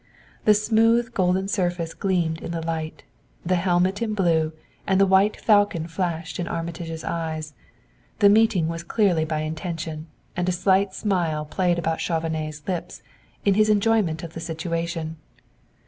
The smooth golden surface gleamed in the light, the helmet in blue, and the white falcon flashed in Armitage's eyes. The meeting was clearly by intention, and a slight smile played about Chauvenet's lips in his enjoyment of the situation.